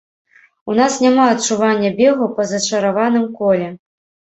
У нас няма адчування бегу па зачараваным коле.